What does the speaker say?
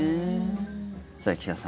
さあ、岸田さん